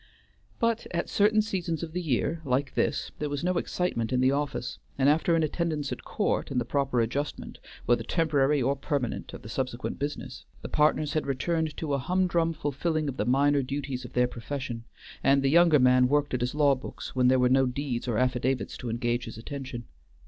But at certain seasons of the year, like this, there was no excitement in the office, and after an attendance at court and the proper adjustment, whether temporary or permanent, of the subsequent business, the partners had returned to a humdrum fulfilling of the minor duties of their profession, and the younger man worked at his law books when there were no deeds or affidavits to engage his attention.